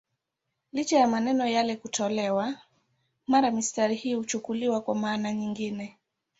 Licha ya maneno yale kutolewa, mara mistari hii huchukuliwa kwa maana nyingine.